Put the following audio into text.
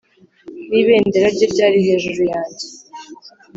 N’ibendera rye ryari hejuru yanjye